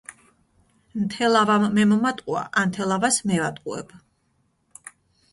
ნთელავამ მე მომატყუა ანთელავას მე ვატყუებ